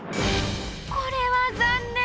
これは残念！